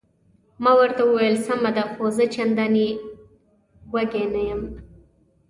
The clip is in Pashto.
ما ورته وویل: سمه ده، خو زه چندانې وږی نه یم.